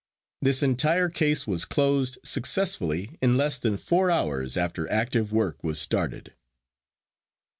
This entire case was closed successfully in less than four hours after active work was started.